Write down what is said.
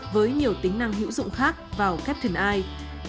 với nhiều tính năng hữu dụng khác vào captain eye